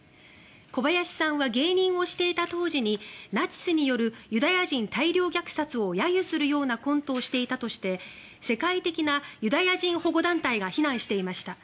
小林さんは芸人をしていた当時にナチスによるユダヤ人大量虐殺を揶揄するようなコントをしていたとして世界的なユダヤ人保護団体が非難していました。